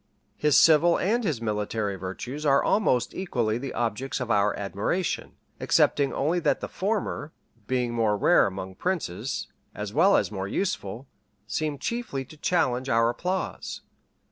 [* Asser. p. 13.] His civil and his military virtues are almost equally the objects of our admiration; excepting only that the former, being more rare among princes, as well as more useful, seem chiefly to challenge our applause.